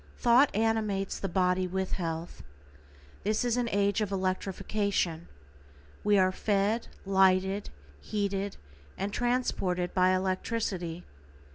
Thought animates the body with health. This is an age of electrification. We are fed, lighted, heated, and transported by electricity.